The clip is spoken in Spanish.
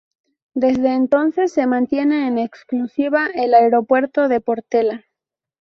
Desde entonces se mantiene en exclusiva el aeropuerto de Portela.